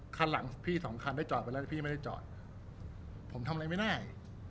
คันหลังพี่สองคันได้จอดไปแล้วพี่ไม่ได้จอดผมทำอะไรไม่ได้